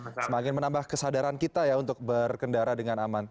semoga ini bisa semakin menambah kesadaran kita ya untuk berkendara dengan aman